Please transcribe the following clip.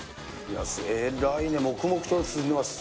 偉いね、黙々と進んでます。